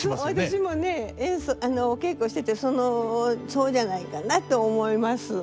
私もねお稽古しててそのそうじゃないかなと思います。